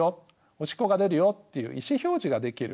おしっこが出るよっていう意思表示ができる。